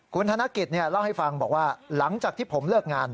คุณธนกิจเล่าให้ฟังบอกว่าหลังจากที่ผมเลิกงาน